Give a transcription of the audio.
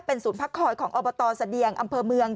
ศูนย์พักคอยของอบตเสดียงอำเภอเมือง